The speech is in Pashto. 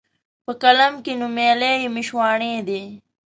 په قلم کښي نومیالي یې مشواڼي دي